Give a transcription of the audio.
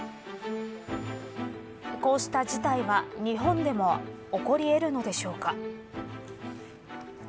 こうした事態は日本でも起こり得るのでしょうか。